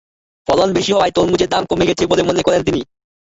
ফলন বেশি হওয়ায় তরমুজের দাম কমে গেছে বলে মনে করেন তিনি।